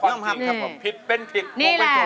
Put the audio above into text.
เราต้องยอมรับคอตรีครับผมผิดเป็นผิดพูดไม่ถูกครับผมนี่แหละ